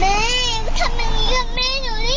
แม่ทำแบบนี้กับแม่หนูได้ไง